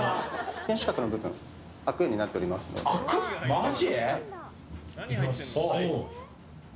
マジ！？